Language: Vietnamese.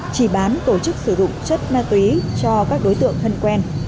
chỉ bán tổ chức sử dụng chất ma túy cho các đối tượng thân quen